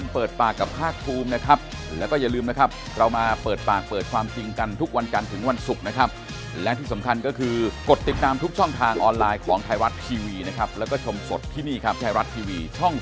เพราะเห็นปลายทางการแต่งตัวแบบนี้